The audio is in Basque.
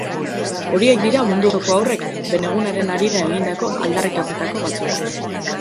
Horiek dira mundu osoko haurrek beren egunaren harira egindako aldarrikapenetako batzuk.